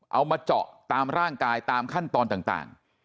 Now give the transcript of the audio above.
เอามาเจาะตามร่างกายตามขั้นตอนต่าง